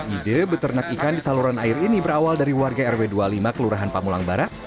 ide beternak ikan di saluran air ini berawal dari warga rw dua puluh lima kelurahan pamulang barat